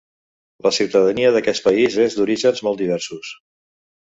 La ciutadania d'aquest país és d'orígens molt diversos.